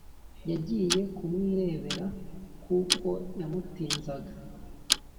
yagiye ku mwirebera kuko yamutinzaga